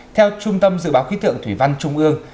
theo trung tâm dự báo khí tượng thủy văn trung ương